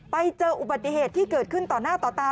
ไปเจออุบัติเหตุที่เกิดขึ้นต่อหน้าต่อตา